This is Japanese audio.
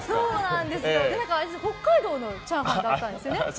北海道のチャーハンだったんですよね。